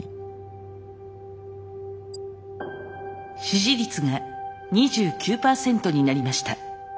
支持率が２９％になりました。